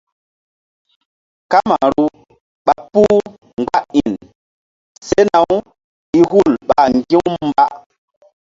Kamaru ɓa puh mgba iŋ sena-u i hul ɓa ŋgi̧-u mba.